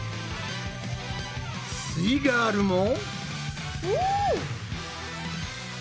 すイガールも。